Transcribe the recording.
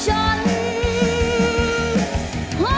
ฉันคิดว่าเขาก็ต้องการ